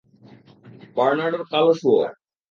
বার্নার্ডোর কালো শুয়োর।